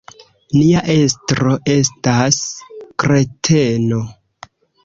Nia estro estas kreteno.